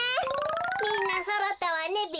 みんなそろったわねべ。